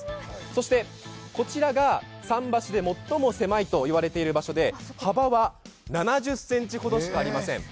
そしてこちらが桟橋で最も狭いといわれている場所で幅は７０ｃｍほどしかありません。